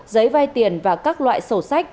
giấy vay tiền và các loại sổ sách